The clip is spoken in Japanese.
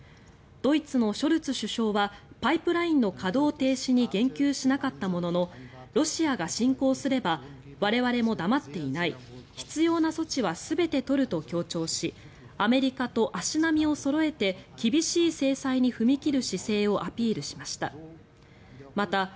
ドイツのショルツ首相はパイプラインの稼働停止に言及しなかったもののロシアが侵攻すれば我々も黙っていない必要な措置は全て取ると強調しアメリカと足並みをそろえて厳しい制裁に踏み切る姿勢をアピールしました。